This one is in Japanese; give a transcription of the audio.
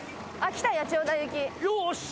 よし！